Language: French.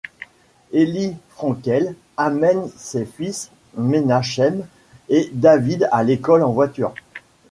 Éli Frankel amène ses fils Menachem et David à l'école en voiture.